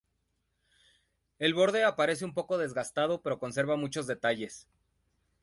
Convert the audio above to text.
El borde aparece un poco desgastado pero conserva muchos detalles.